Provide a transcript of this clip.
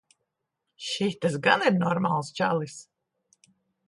Šitas gan ir normāls čalis.